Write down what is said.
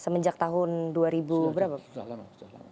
semenjak tahun dua ribu berapa sudah lama